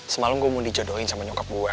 semalam gue mau dijodohin sama nyokap gue